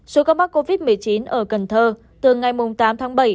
số ca mắc covid một mươi chín ở cần thơ từ ngày tám tháng bảy